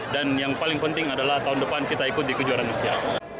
dan yang paling penting adalah tahun depan kita ikut di kejuaraan indonesia